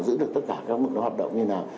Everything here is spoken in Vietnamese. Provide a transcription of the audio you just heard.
giữ được tất cả các mức độ hoạt động như thế nào